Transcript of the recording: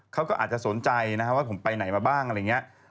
เขาก็อาจจะสนใจนะครับว่าผมไปไหนมาบ้างอะไรอย่างนี้